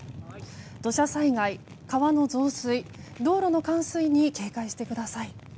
土砂災害、川の増水道路の冠水に警戒してください。